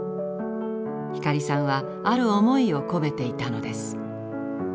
光さんはある思いを込めていたのです。